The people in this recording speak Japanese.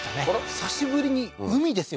久しぶりに海ですよ